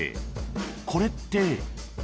［これって？］